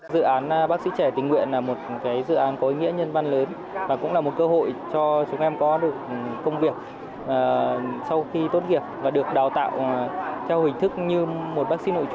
dự án bác sĩ trẻ tình nguyện là một dự án có ý nghĩa nhân văn lớn và cũng là một cơ hội cho chúng em có được công việc sau khi tốt nghiệp và được đào tạo theo hình thức như một bác sĩ nội chú